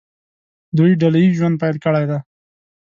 دوی ډله ییز ژوند پیل کړی دی.